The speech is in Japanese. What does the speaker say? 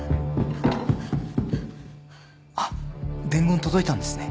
あっ伝言届いたんですね。